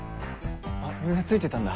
あっみんな着いてたんだ。